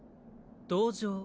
同情。